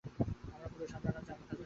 আমরা পুরুষ, আমরা রাজা, আমরা খাজনা নেব।